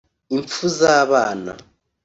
impfu z’ abana